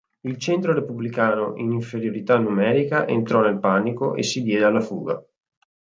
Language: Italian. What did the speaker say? Il centro repubblicano in inferiorità numerica entrò nel panico e si diede alla fuga.